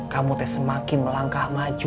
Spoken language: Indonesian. kamu teh semakin melangkah maju